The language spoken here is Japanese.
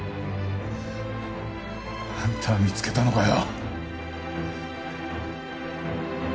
あんたは見つけたのかよ？